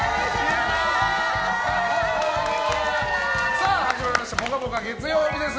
さあ始まりました「ぽかぽか」月曜日です。